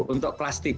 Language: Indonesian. untuk kelas tiga